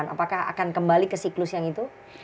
apakah akan kembali ke siklus yang itu